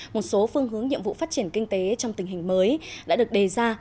một số phương hướng nhiệm vụ phát triển kinh tế trong tình hình mới đã được đề ra